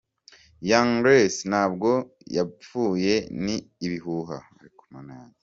Young Grace ntabwo yapfuye ni ibihuha.